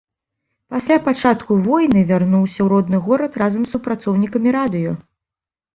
Пасля пачатку войны вярнуўся ў родны горад разам з супрацоўнікамі радыё.